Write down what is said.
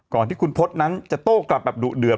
ก่อนที่คุณพศนั้นจะโต้กลับแบบดุเดือด